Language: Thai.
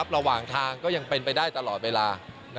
ระหว่างทางก็ยังเป็นไปได้ตลอดเวลา